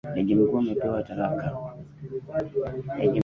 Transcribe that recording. Jaji mkuu amepewa talaka.